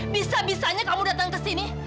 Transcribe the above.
bisa bisanya kamu datang ke sini